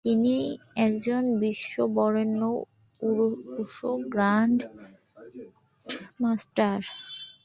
তিনি একজন বিশ্ববরেণ্য wushu grandmaster.